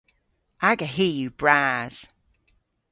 Aga hi yw bras.